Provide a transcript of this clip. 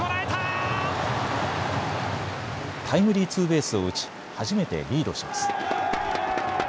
タイムリーツーベースを打ち初めてリードします。